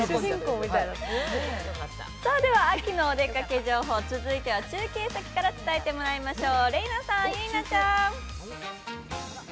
では秋のお出かけ情報、続いては中継先から伝えてもらいましょう。